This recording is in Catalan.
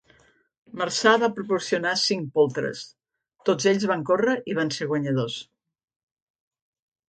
Marsa va proporcionar cinc poltres; tots ells van córrer i van ser guanyadors.